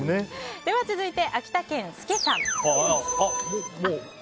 では、続いて秋田県の方。